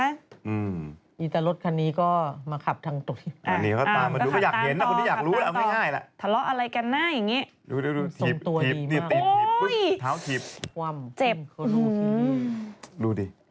ไอ้ตารถคันนี้ก็มาขับทางตรงนี้